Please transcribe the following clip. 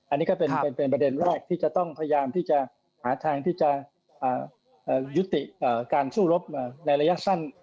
อันนี้ก็เป็นประเด็นแรกที่จะต้องพยายามที่จะหาทางที่จะยุติการสู้รบในระยะสั้น